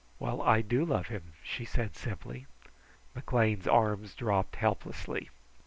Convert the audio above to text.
"Well, I do love him," she said simply. McLean's arms dropped helplessly.